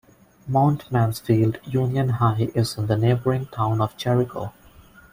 Mount Mansfield Union High is in the neighboring town of Jericho.